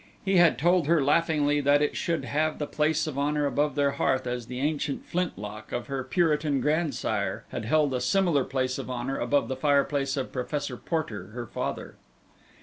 He had told her laughingly that it should have the place of honor above their hearth as the ancient flintlock of her Puritan grandsire had held a similar place of honor above the fireplace of Professor Porter, her father.